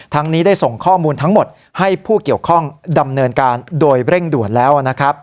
นี้ได้ส่งข้อมูลทั้งหมดให้ผู้เกี่ยวข้องดำเนินการโดยเร่งด่วนแล้วนะครับ